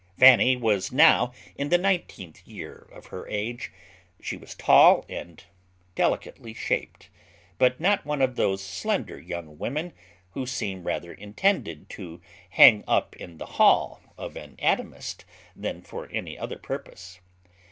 Fanny was now in the nineteenth year of her age; she was tall and delicately shaped; but not one of those slender young women who seem rather intended to hang up in the hall of an anatomist than for any other purpose.